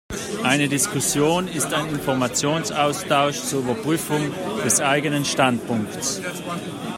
Eine Diskussion ist ein Informationsaustausch zur Überprüfung des eigenen Standpunktes.